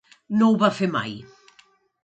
No ho va fer mai.